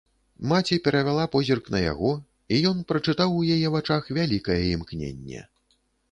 Маці перавяла позірк на яго, і ён прачытаў у яе вачах вялікае імкненне.